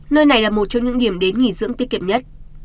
nơi này là một trong những điểm đến nghỉ dưỡng tiết kiệm nhất